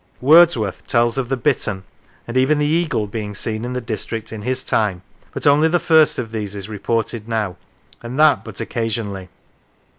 Wordsworth tells of the bittern and even the eagle being seen in the district in his time, but only the first of these is reported now, and that but occa sionally.